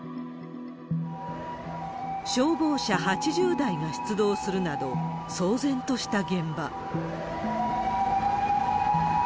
消防車８０台が出動するなど、騒然とした現場。